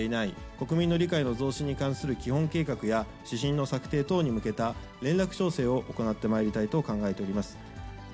国民の理解の増進に関する基本計画や、指針の策定等に向けた連絡調整を行ってまいりたいと考えております。